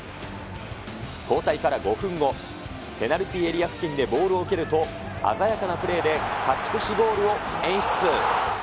交代から５分後、ペナルティエリア付近でボールを受けると、鮮やかなプレーで勝ち越しゴールを演出。